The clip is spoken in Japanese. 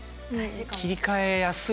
切り替えやすい。